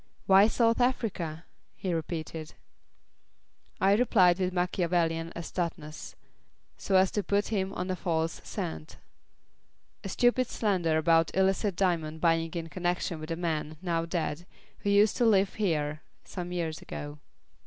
"Why South Africa?" he repeated. I replied with Macchiavellian astuteness, so as to put him on a false scent: "A stupid slander about illicit diamond buying in connection with a man, now dead, who used to live here some years ago."